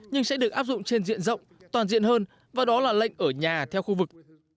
nhưng sẽ được áp dụng trên diện rộng toàn diện hơn và đó là lệnh ở nhà theo khu vực